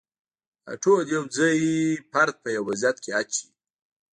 دا ټول یو ځای فرد په یو وضعیت کې اچوي.